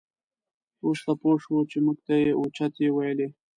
وروسته پوه شوو چې موږ ته یې اوچتې ویلې.